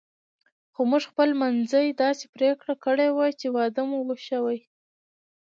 خو موږ خپل منځي داسې پرېکړه کړې وه چې واده مو شوی.